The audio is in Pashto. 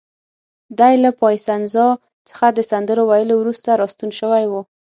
دی له پایسنزا څخه د سندرو ویلو وروسته راستون شوی و.